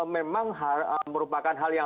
memang merupakan hal yang